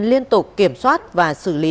liên tục kiểm soát và xử lý